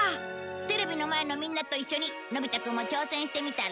テレビの前のみんなと一緒にのび太くんも挑戦してみたら？